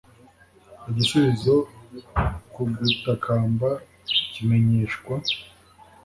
igisubizo ku gutakamba kimenyeshwa